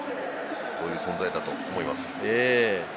そういう存在だと思います。